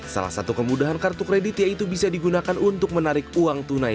salah satu kemudahan kartu kredit yaitu bisa digunakan untuk menarik uang tunai